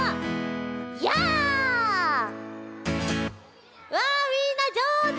わあみんなじょうず！